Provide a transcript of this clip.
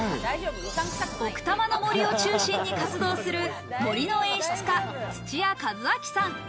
奥多摩の森を中心に活動する森の演出家・土屋一昭さん。